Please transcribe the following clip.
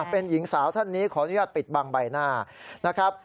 เป็นหญิงสาวท่านนี้ขออนุญาตปิดบังใบหน้านะครับ